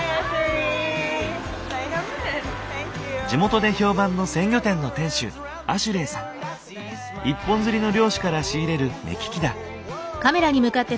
地元で評判の一本釣りの漁師から仕入れる目利きだ。